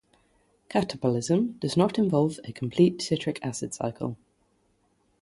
Catabolism does not involve a complete citric acid cycle.